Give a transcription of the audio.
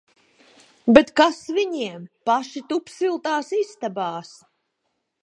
Bet kas viņiem! Paši tup siltās istabās!